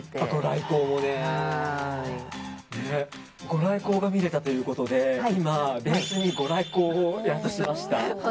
ご来光が見れたということで今、ベースにご来光を宿しました。